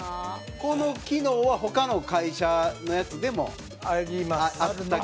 この機能は、他の会社のやつでもあったっけ？